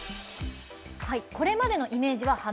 「これまでのイメージは花。